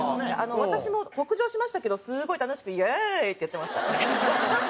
私も北上しましたけどすごい楽しくイエーイ！ってやってました。